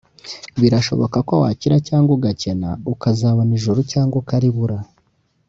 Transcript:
Birashoboka ko wakira cyangwa ugakena ukazabona ijuru cyangwa akaribura